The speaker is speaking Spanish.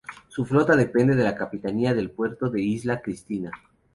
Su flota depende de la capitanía del puerto de Isla Cristina.